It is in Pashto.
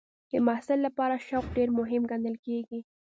د محصل لپاره شوق ډېر مهم ګڼل کېږي.